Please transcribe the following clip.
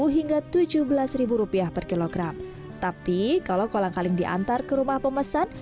hingga tujuh belas rupiah per kilogram tapi kalau kolang kaling diantar ke rumah pemesan